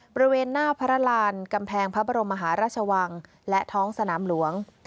บริเวณหน้าพระรานกำแพงพระบรมมหาราชวังและท้องสนามหลวง